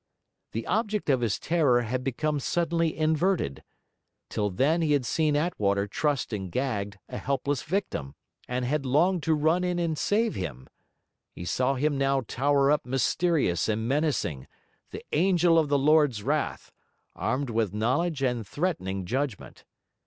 The object of his terror had become suddenly inverted; till then he had seen Attwater trussed and gagged, a helpless victim, and had longed to run in and save him; he saw him now tower up mysterious and menacing, the angel of the Lord's wrath, armed with knowledge and threatening judgment.